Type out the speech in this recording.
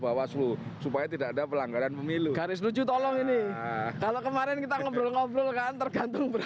bahwa seluruh supaya tidak ada pelanggaran pemilu garis lucu tolong ini kalau kemarin kita ngobrol